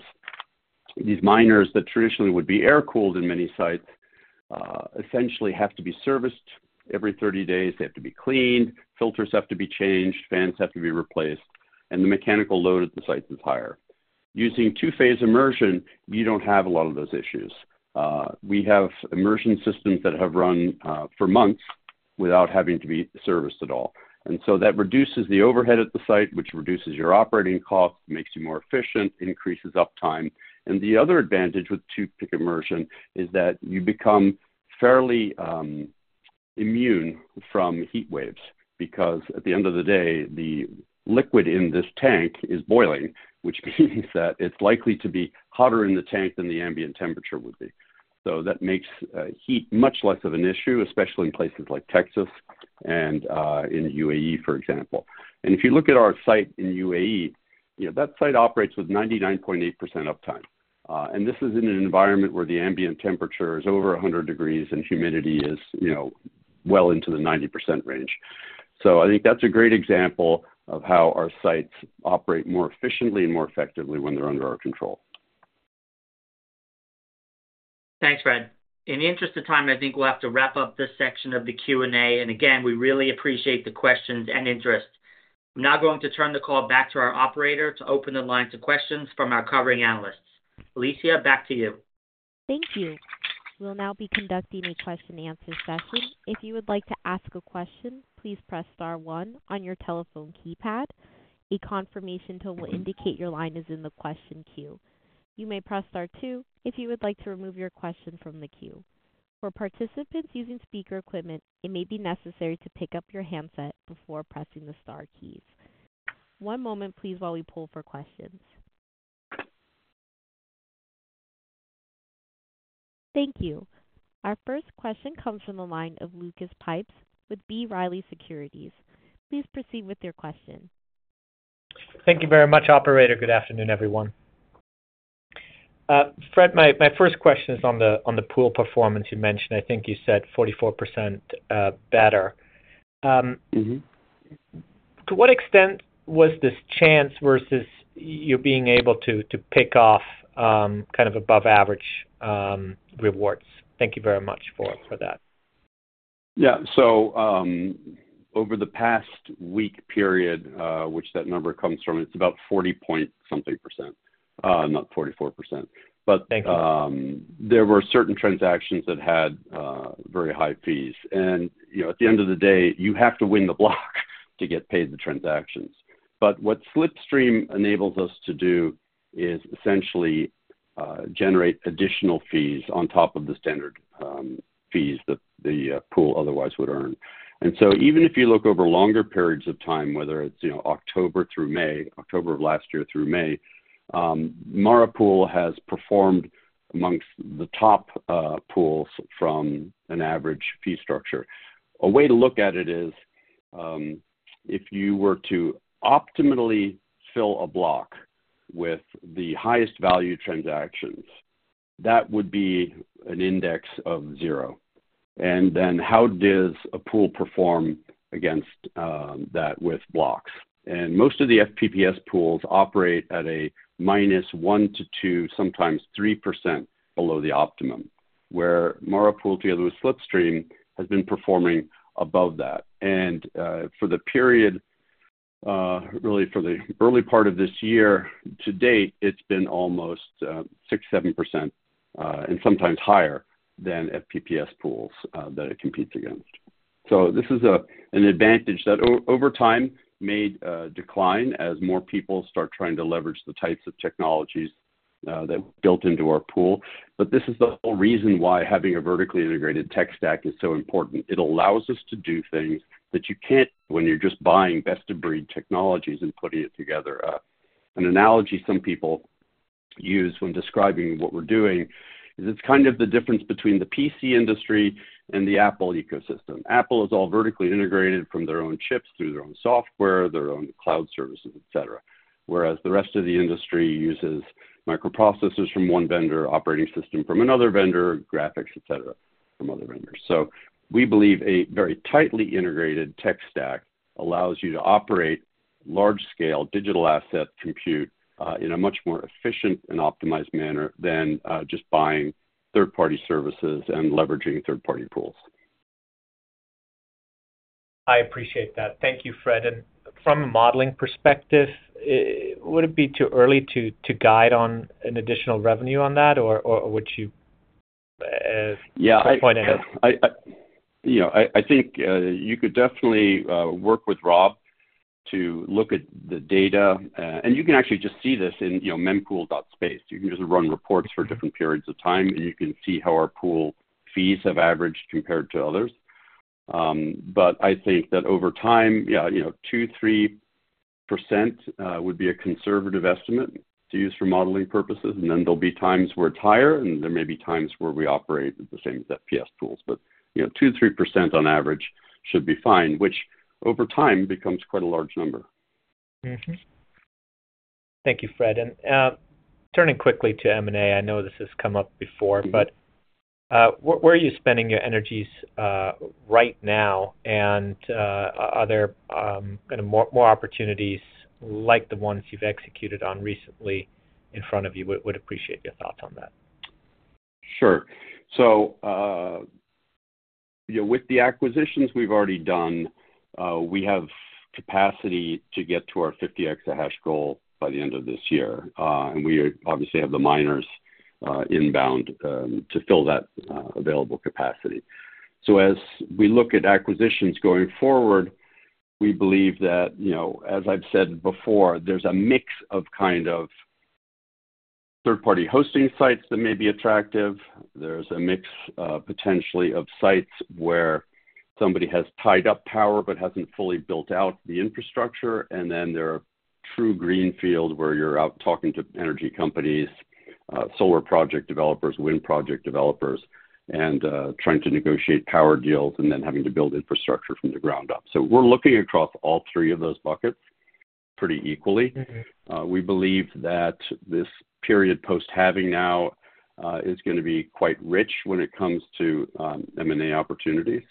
these miners that traditionally would be air-cooled in many sites essentially have to be serviced every 30 days. They have to be cleaned. Filters have to be changed. Fans have to be replaced. The mechanical load at the site is higher. Using two-phase immersion, you don't have a lot of those issues. We have immersion systems that have run for months without having to be serviced at all. So that reduces the overhead at the site, which reduces your operating cost, makes you more efficient, increases uptime. The other advantage with 2PIC immersion is that you become fairly immune from heat waves because at the end of the day, the liquid in this tank is boiling, which means that it's likely to be hotter in the tank than the ambient temperature would be. So that makes heat much less of an issue, especially in places like Texas and in UAE, for example. If you look at our site in UAE, that site operates with 99.8% uptime. This is in an environment where the ambient temperature is over 100 degrees Fahrenheit and humidity is well into the 90% range. So I think that's a great example of how our sites operate more efficiently and more effectively when they're under our control. Thanks, Fred. In the interest of time, I think we'll have to wrap up this section of the Q&A. Again, we really appreciate the questions and interest. I'm now going to turn the call back to our operator to open the line to questions from our covering analysts. Alicia, back to you. Thank you. We'll now be conducting a question-and-answer session. If you would like to ask a question, please press star one on your telephone keypad. A confirmation tool will indicate your line is in the question queue. You may press star two if you would like to remove your question from the queue. For participants using speaker equipment, it may be necessary to pick up your handset before pressing the star keys. One moment, please, while we pull for questions. Thank you. Our first question comes from the line of Lucas Pipes with B. Riley Securities. Please proceed with your question. Thank you very much, operator. Good afternoon, everyone. Fred, my first question is on the pool performance you mentioned. I think you said 44% better. To what extent was this chance versus you being able to pick off kind of above-average rewards? Thank you very much for that. Yeah. So over the past week period, which that number comes from, it's about 40-point-something percent, not 44%. But there were certain transactions that had very high fees. And at the end of the day, you have to win the block to get paid the transactions. But what Slipstream enables us to do is essentially generate additional fees on top of the standard fees that the pool otherwise would earn. And so even if you look over longer periods of time, whether it's October through May, October of last year through May, MARA Pool has performed amongst the top pools from an average fee structure. A way to look at it is if you were to optimally fill a block with the highest value transactions, that would be an index of zero. And then how does a pool perform against that with blocks? Most of the FPPS pools operate at a minus -1 % to -2%, sometimes 3% below the optimum, where MARA Pool together with Slipstream has been performing above that. For the period, really for the early part of this year to date, it's been almost 6%-7%, and sometimes higher, than FPPS pools that it competes against. This is an advantage that over time made a decline as more people start trying to leverage the types of technologies that we've built into our pool. This is the whole reason why having a vertically integrated tech stack is so important. It allows us to do things that you can't when you're just buying best-of-breed technologies and putting it together. An analogy some people use when describing what we're doing is it's kind of the difference between the PC industry and the Apple ecosystem. Apple is all vertically integrated from their own chips through their own software, their own cloud services, etc., whereas the rest of the industry uses microprocessors from one vendor, operating system from another vendor, graphics, etc., from other vendors. So we believe a very tightly integrated tech stack allows you to operate large-scale digital asset compute in a much more efficient and optimized manner than just buying third-party services and leveraging third-party pools. I appreciate that. Thank you, Fred. And from a modeling perspective, would it be too early to guide on an additional revenue on that, or would you point another? Yeah. I think you could definitely work with Rob to look at the data. And you can actually just see this in mempool.space. You can just run reports for different periods of time, and you can see how our pool fees have averaged compared to others. But I think that over time, yeah, 2%-3% would be a conservative estimate to use for modeling purposes. And then there'll be times where it's higher, and there may be times where we operate the same as FPPS pools. But 2%-3% on average should be fine, which over time becomes quite a large number. Thank you, Fred. Turning quickly to M&A, I know this has come up before, but where are you spending your energies right now? And are there kind of more opportunities like the ones you've executed on recently in front of you? We would appreciate your thoughts on that. Sure. So with the acquisitions we've already done, we have capacity to get to our 50 exahash goal by the end of this year. And we obviously have the miners inbound to fill that available capacity. So as we look at acquisitions going forward, we believe that, as I've said before, there's a mix of kind of third-party hosting sites that may be attractive. There's a mix potentially of sites where somebody has tied up power but hasn't fully built out the infrastructure. And then there are true greenfield where you're out talking to energy companies, solar project developers, wind project developers, and trying to negotiate power deals and then having to build infrastructure from the ground up. So we're looking across all three of those buckets pretty equally. We believe that this period post-halving now is going to be quite rich when it comes to M&A opportunities.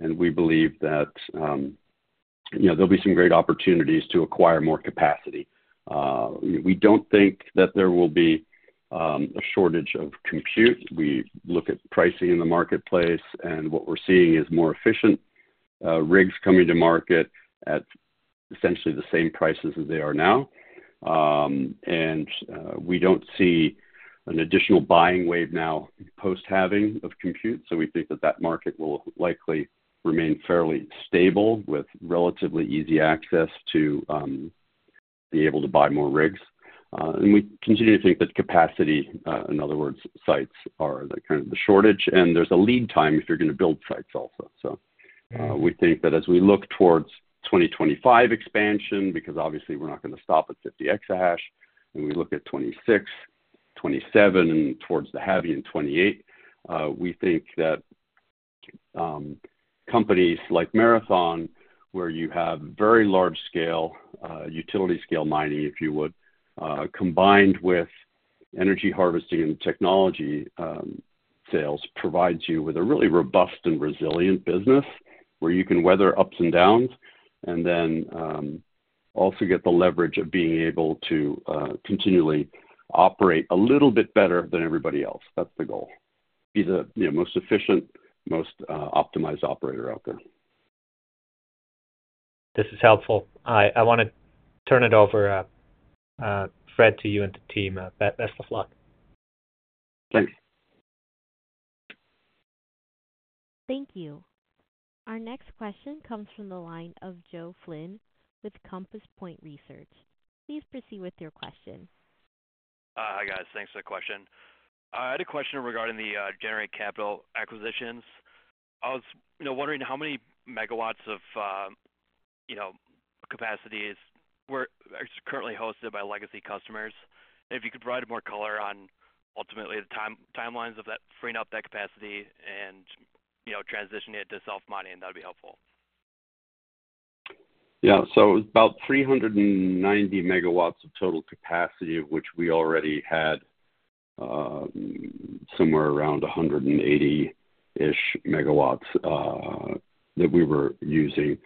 We believe that there'll be some great opportunities to acquire more capacity. We don't think that there will be a shortage of compute. We look at pricing in the marketplace, and what we're seeing is more efficient rigs coming to market at essentially the same prices as they are now. We don't see an additional buying wave now post-halving of compute. We think that that market will likely remain fairly stable with relatively easy access to be able to buy more rigs. We continue to think that capacity, in other words, sites are kind of the shortage. There's a lead time if you're going to build sites also. So we think that as we look towards 2025 expansion because obviously, we're not going to stop at 50 exahash, and we look at 2026, 2027, and towards the halving in 2028, we think that companies like Marathon, where you have very large-scale utility-scale mining, if you would, combined with energy harvesting and technology sales, provides you with a really robust and resilient business where you can weather ups and downs and then also get the leverage of being able to continually operate a little bit better than everybody else. That's the goal, be the most efficient, most optimized operator out there. This is helpful. I want to turn it over, Fred, to you and the team. Best of luck. Thanks. Thank you. Our next question comes from the line of Joe Flynn with Compass Point Research. Please proceed with your question. Hi, guys. Thanks for the question. I had a question regarding the Generate Capital acquisitions. I was wondering how many megawatts of capacity is currently hosted by legacy customers? And if you could provide more color on, ultimately, the timelines of freeing up that capacity and transitioning it to self-mining, that'd be helpful. Yeah. So it was about 390 MW of total capacity, of which we already had somewhere around 180-ish MW that we were using.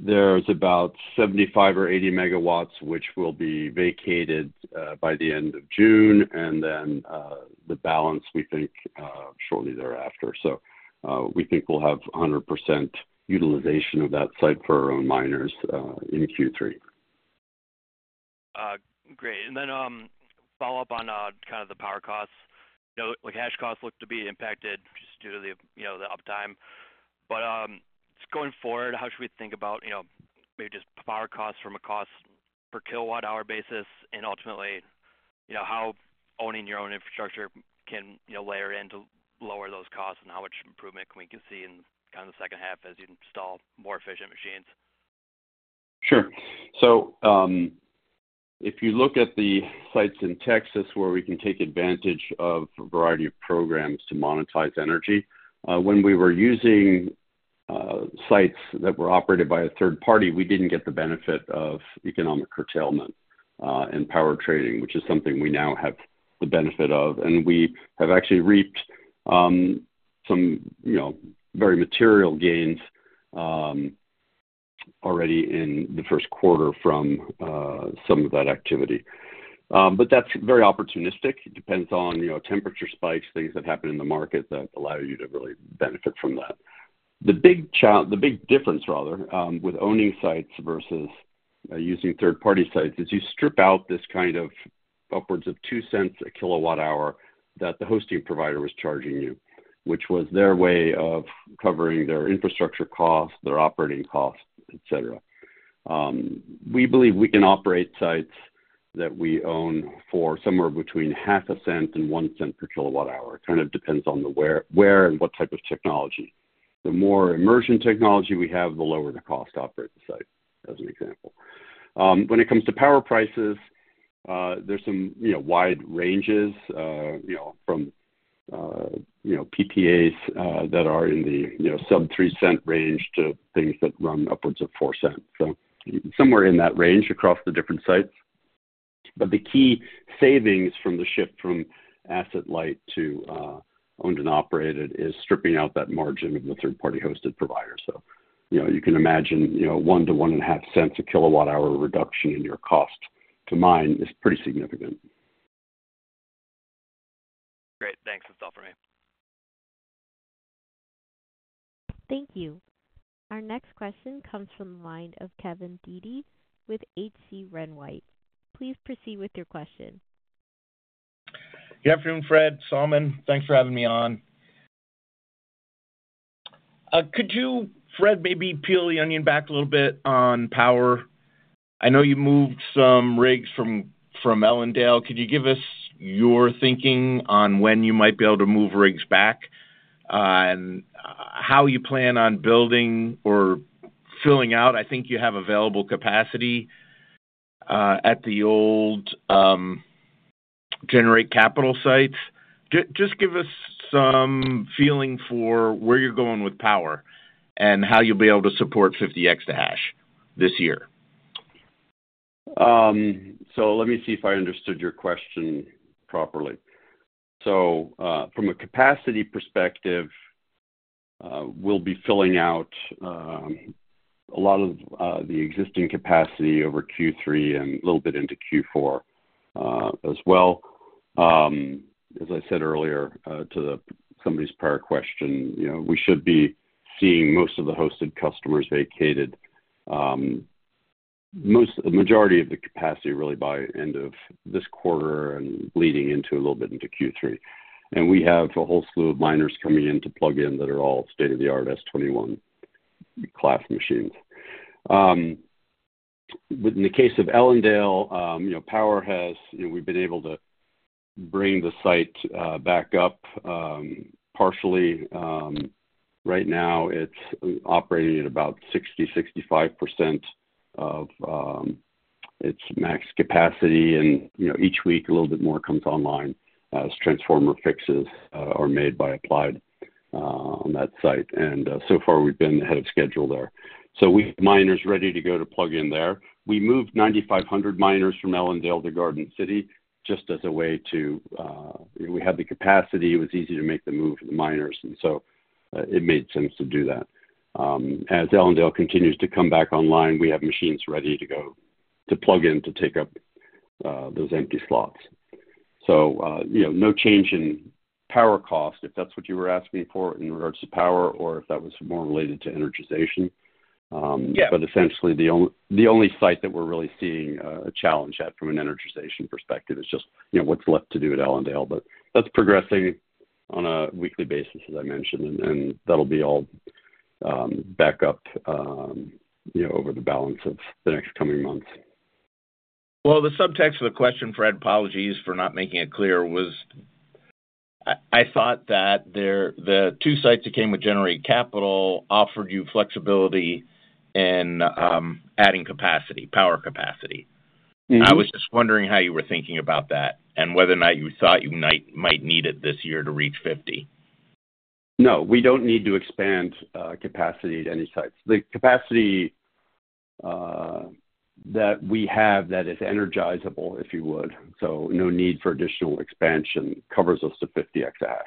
There's about 75 MW or 80 MW, which will be vacated by the end of June, and then the balance, we think, shortly thereafter. So we think we'll have 100% utilization of that site for our own miners in Q3. Great. And then follow up on kind of the power costs. Hash costs look to be impacted just due to the uptime. But going forward, how should we think about maybe just power costs from a cost-per-kilowatt-hour basis and ultimately how owning your own infrastructure can layer in to lower those costs and how much improvement we can see in kind of the second half as you install more efficient machines? Sure. So if you look at the sites in Texas where we can take advantage of a variety of programs to monetize energy, when we were using sites that were operated by a third-party, we didn't get the benefit of economic curtailment and power trading, which is something we now have the benefit of. And we have actually reaped some very material gains already in the first quarter from some of that activity. But that's very opportunistic. It depends on temperature spikes, things that happen in the market that allow you to really benefit from that. The big difference, rather, with owning sites versus using third-party sites is you strip out this kind of upwards of $0.02 per kWh that the hosting provider was charging you, which was their way of covering their infrastructure costs, their operating costs, etc. We believe we can operate sites that we own for somewhere between $0.005 and $0.01 per kWh. It kind of depends on where and what type of technology. The more immersion technology we have, the lower the cost to operate the site, as an example. When it comes to power prices, there's some wide ranges from PPAs that are in the sub-$0.03 range to things that run upwards of $0.04. So somewhere in that range across the different sites. But the key savings from the shift from asset-light to owned and operated is stripping out that margin of the third-party hosted provider. So you can imagine $0.01-$0.015 per kWh reduction in your cost to mine is pretty significant. Great. Thanks. That's all from me. Thank you. Our next question comes from the line of Kevin Dede with H.C. Wainwright. Please proceed with your question. Good afternoon, Fred. Salman. Thanks for having me on. Could you, Fred, maybe peel the onion back a little bit on power? I know you moved some rigs from Ellendale. Could you give us your thinking on when you might be able to move rigs back and how you plan on building or filling out? I think you have available capacity at the old Generate Capital sites. Just give us some feeling for where you're going with power and how you'll be able to support 50 exahash this year. So let me see if I understood your question properly. So from a capacity perspective, we'll be filling out a lot of the existing capacity over Q3 and a little bit into Q4 as well. As I said earlier, to somebody's prior question, we should be seeing most of the hosted customers vacated, the majority of the capacity, really, by end of this quarter and leading into a little bit into Q3. And we have a whole slew of miners coming in to plug in that are all state-of-the-art S21 class machines. In the case of Ellendale, but we've been able to bring the site back up partially. Right now, it's operating at about 60%-65% of its max capacity. And each week, a little bit more comes online as transformer fixes are made by Applied on that site. And so far, we've been ahead of schedule there. So we have miners ready to go to plug in there. We moved 9,500 miners from Ellendale to Garden City just as a way to we had the capacity. It was easy to make the move for the miners, and so it made sense to do that. As Ellendale continues to come back online, we have machines ready to go to plug in to take up those empty slots. So no change in power cost, if that's what you were asking for in regards to power or if that was more related to energization. But essentially, the only site that we're really seeing a challenge at from an energization perspective is just what's left to do at Ellendale. But that's progressing on a weekly basis, as I mentioned, and that'll be all back up over the balance of the next coming months. Well, the subtext of the question, Fred, apologies for not making it clear, was I thought that the two sites that came with Generate Capital offered you flexibility in adding capacity, power capacity. I was just wondering how you were thinking about that and whether or not you thought you might need it this year to reach 50. No. We don't need to expand capacity at any sites. The capacity that we have that is energizable, if you would, so no need for additional expansion, covers us to 50 exahash.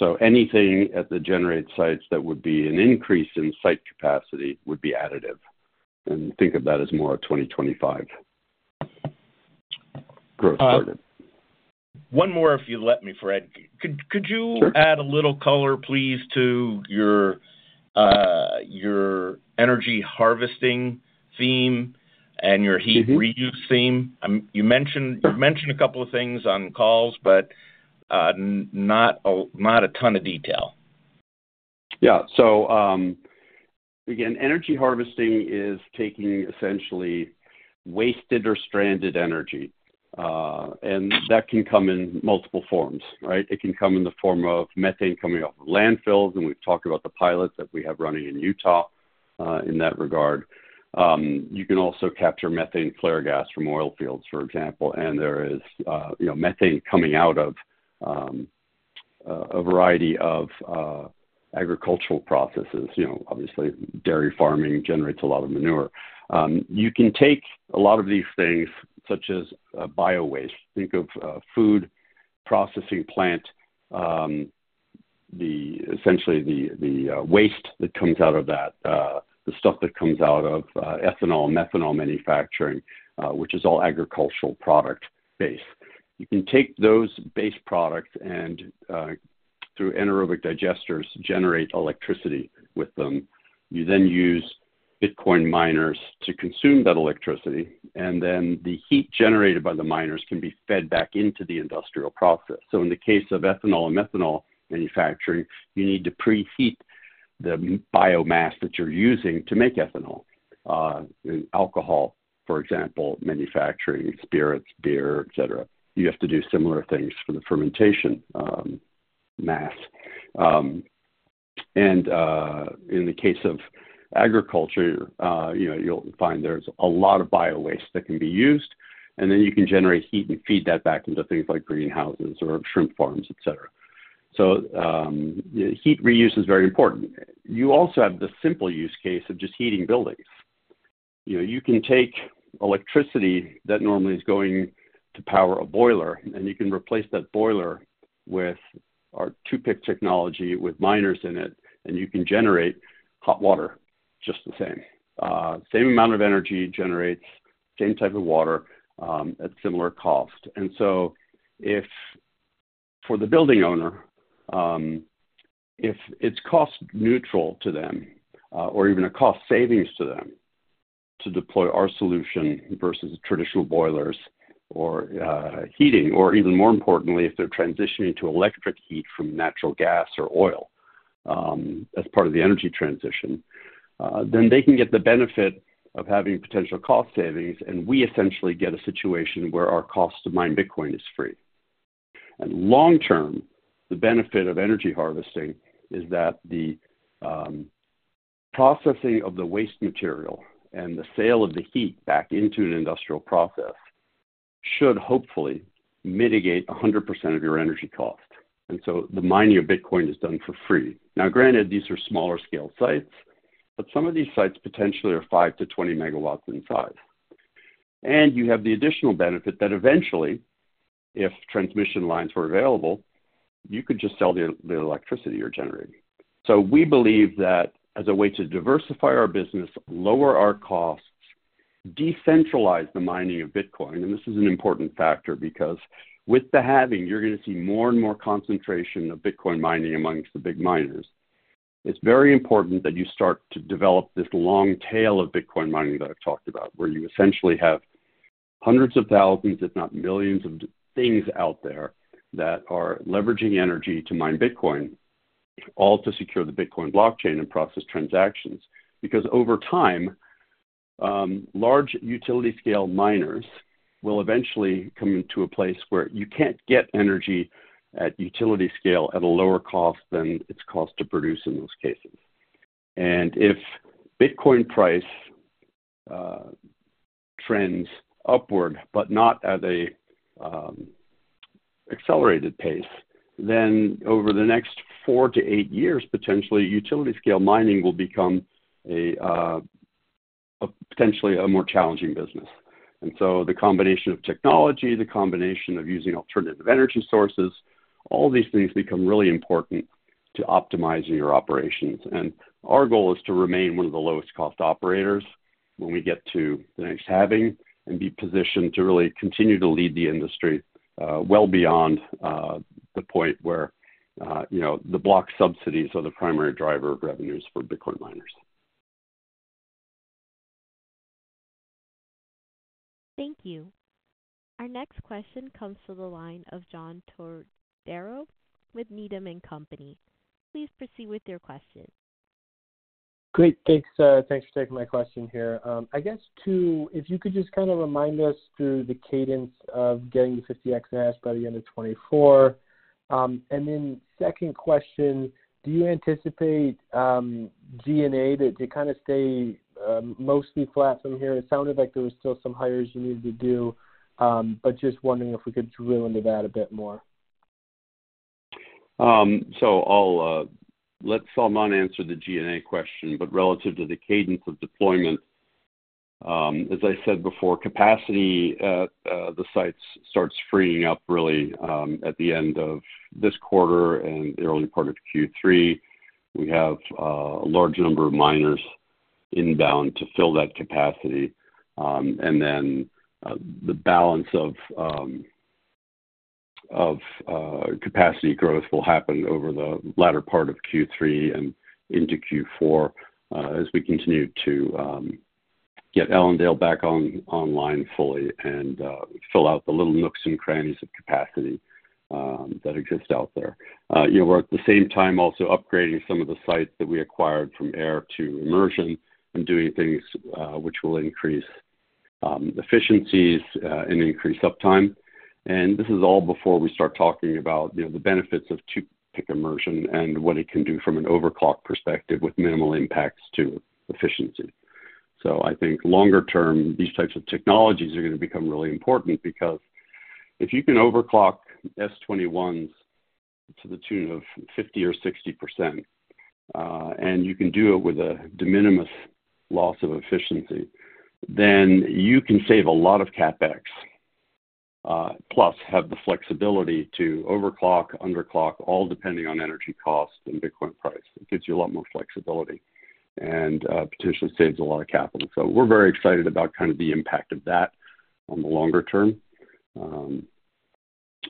So anything at the Generate sites that would be an increase in site capacity would be additive. And think of that as more of 2025 growth target. One more, if you let me, Fred. Could you add a little color, please, to your energy harvesting theme and your heat reuse theme? You mentioned a couple of things on calls, but not a ton of detail. Yeah. So again, energy harvesting is taking essentially wasted or stranded energy. And that can come in multiple forms, right? It can come in the form of methane coming off of landfills. And we've talked about the pilot that we have running in Utah in that regard. You can also capture methane flare gas from oil fields, for example. And there is methane coming out of a variety of agricultural processes. Obviously, dairy farming generates a lot of manure. You can take a lot of these things such as biowaste. Think of a food processing plant, essentially the waste that comes out of that, the stuff that comes out of ethanol, methanol manufacturing, which is all agricultural product-based. You can take those base products and, through anaerobic digesters, generate electricity with them. You then use Bitcoin miners to consume that electricity. Then the heat generated by the miners can be fed back into the industrial process. So in the case of ethanol and methanol manufacturing, you need to preheat the biomass that you're using to make ethanol. In alcohol, for example, manufacturing spirits, beer, etc., you have to do similar things for the fermentation mass. And in the case of agriculture, you'll find there's a lot of biowaste that can be used. And then you can generate heat and feed that back into things like greenhouses or shrimp farms, etc. So heat reuse is very important. You also have the simple use case of just heating buildings. You can take electricity that normally is going to power a boiler, and you can replace that boiler with our 2PIC technology with miners in it, and you can generate hot water just the same. same amount of energy generates the same type of water at similar cost. So for the building owner, if it's cost-neutral to them or even a cost savings to them to deploy our solution versus traditional boilers or heating, or even more importantly, if they're transitioning to electric heat from natural gas or oil as part of the energy transition, then they can get the benefit of having potential cost savings. We essentially get a situation where our cost to mine Bitcoin is free. Long term, the benefit of energy harvesting is that the processing of the waste material and the sale of the heat back into an industrial process should hopefully mitigate 100% of your energy cost. So the mining of Bitcoin is done for free. Now, granted, these are smaller-scale sites, but some of these sites potentially are 5 MW-20 MW in size. You have the additional benefit that eventually, if transmission lines were available, you could just sell the electricity you're generating. So we believe that as a way to diversify our business, lower our costs, decentralize the mining of Bitcoin, and this is an important factor because with the halving, you're going to see more and more concentration of Bitcoin mining amongst the big miners, it's very important that you start to develop this long tail of Bitcoin mining that I've talked about, where you essentially have hundreds of thousands, if not millions, of things out there that are leveraging energy to mine Bitcoin, all to secure the Bitcoin blockchain and process transactions. Because over time, large utility-scale miners will eventually come into a place where you can't get energy at utility scale at a lower cost than it's cost to produce in those cases. If Bitcoin price trends upward but not at an accelerated pace, then over the next 4-8 years, potentially, utility-scale mining will become potentially a more challenging business. So the combination of technology, the combination of using alternative energy sources, all these things become really important to optimizing your operations. Our goal is to remain one of the lowest-cost operators when we get to the next halving and be positioned to really continue to lead the industry well beyond the point where the block subsidies are the primary driver of revenues for Bitcoin miners. Thank you. Our next question comes from the line of John Todaro with Needham & Company. Please proceed with your question. Great. Thanks for taking my question here. I guess, if you could just kind of remind us through the cadence of getting to 50 exahash by the end of 2024? And then second question, do you anticipate G&A to kind of stay mostly flat from here? It sounded like there were still some hires you needed to do, but just wondering if we could drill into that a bit more. So let Salman answer the G&A question. But relative to the cadence of deployment, as I said before, capacity at the sites starts freeing up really at the end of this quarter and the early part of Q3. We have a large number of miners inbound to fill that capacity. And then the balance of capacity growth will happen over the latter part of Q3 and into Q4 as we continue to get Ellendale back online fully and fill out the little nooks and crannies of capacity that exist out there. We're at the same time also upgrading some of the sites that we acquired from air to immersion and doing things which will increase efficiencies and increase uptime. And this is all before we start talking about the benefits of two-phase immersion and what it can do from an overclock perspective with minimal impacts to efficiency. So I think longer term, these types of technologies are going to become really important because if you can overclock S21s to the tune of 50% or 60%, and you can do it with a de minimis loss of efficiency, then you can save a lot of CapEx plus have the flexibility to overclock, underclock, all depending on energy cost and Bitcoin price. It gives you a lot more flexibility and potentially saves a lot of capital. So we're very excited about kind of the impact of that on the longer term,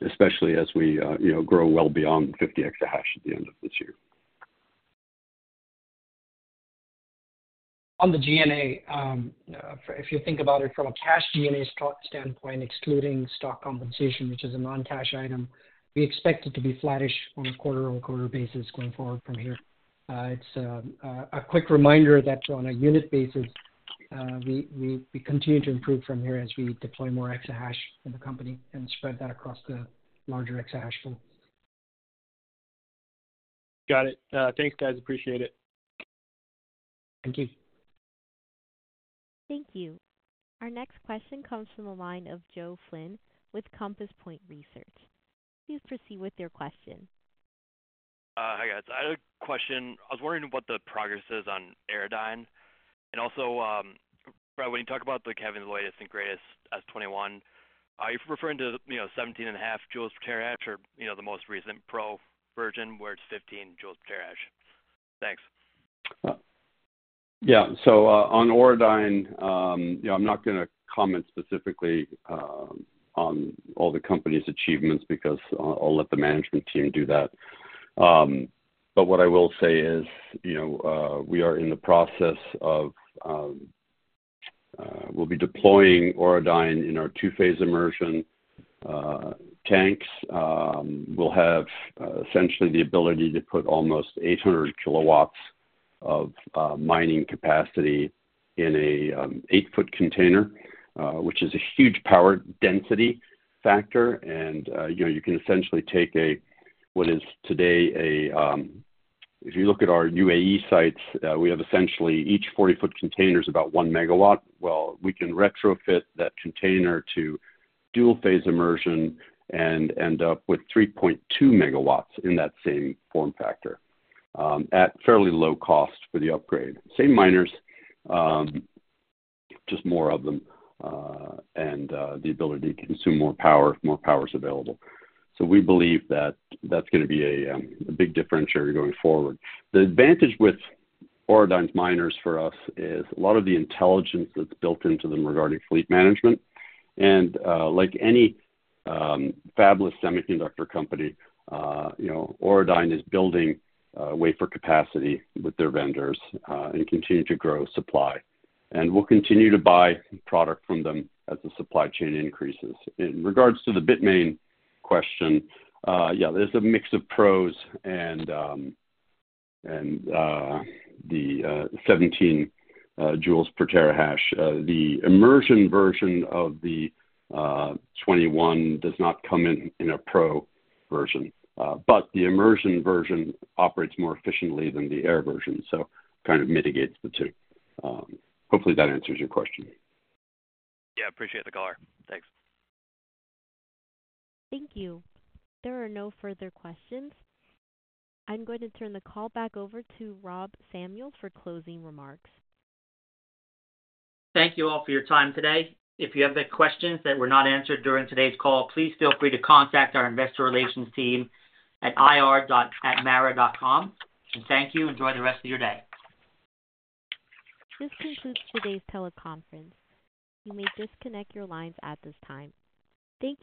especially as we grow well beyond 50 EH/s at the end of this year. On the G&A, if you think about it from a cash G&A standpoint, excluding stock compensation, which is a non-cash item, we expect it to be flattish on a quarter-on-quarter basis going forward from here. It's a quick reminder that on a unit basis, we continue to improve from here as we deploy more exahash in the company and spread that across the larger exahash pool. Got it. Thanks, guys. Appreciate it. Thank you. Thank you. Our next question comes from the line of Joe Flynn with Compass Point Research. Please proceed with your question. Hi, guys. I had a question. I was wondering what the progress is on Auradine. And also, Fred, when you talk about the Bitmain's latest and greatest S21, are you referring to 17.5 J/TH or the most recent pro version where it's 15 J/TH? Thanks. Yeah. So on Auradine, I'm not going to comment specifically on all the company's achievements because I'll let the management team do that. But what I will say is we'll be deploying Auradine in our two-phase immersion tanks. We'll have essentially the ability to put almost 800 kW of mining capacity in an 8-foot container, which is a huge power density factor. And you can essentially take what is today, if you look at our UAE sites, we have essentially each 40-foot container is about 1 MW. Well, we can retrofit that container to two-phase immersion and end up with 3.2 MW in that same form factor at fairly low cost for the upgrade. Same miners, just more of them and the ability to consume more power if more power's available. So we believe that that's going to be a big differentiator going forward. The advantage with Auradine's miners for us is a lot of the intelligence that's built into them regarding fleet management. And like any fabless semiconductor company, Auradine is building a way for capacity with their vendors and continuing to grow supply. And we'll continue to buy product from them as the supply chain increases. In regards to the Bitmain question, yeah, there's a mix of pros and the 17 joules per terahash. The immersion version of the S21 does not come in a pro version. But the immersion version operates more efficiently than the air version, so kind of mitigates the two. Hopefully, that answers your question. Yeah. Appreciate the caller. Thanks. Thank you. There are no further questions. I'm going to turn the call back over to Rob Samuels for closing remarks. Thank you all for your time today. If you have questions that were not answered during today's call, please feel free to contact our investor relations team at ir@mara.com. And thank you. Enjoy the rest of your day. This concludes today's teleconference. You may disconnect your lines at this time. Thank you.